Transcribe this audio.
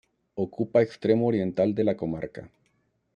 Ocupa extremo oriental de la comarca.